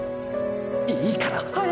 いいから早く！！